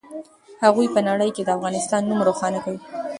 هغوی په نړۍ کې د افغانستان نوم روښانه کوي.